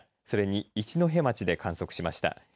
それに一戸町で観測しました。